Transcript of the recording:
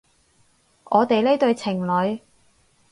我哋呢對情侣